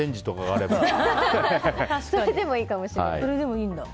それでもいいかもしれないです。